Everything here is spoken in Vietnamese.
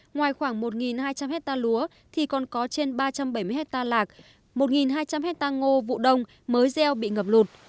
ngoài khoảng một hai trăm linh hectare lúa thì còn có trên ba trăm bảy mươi hectare lạc một hai trăm linh hectare ngô vụ đông mới gieo bị ngập lụt